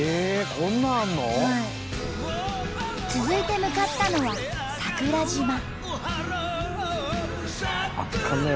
続いて向かったのは桜島。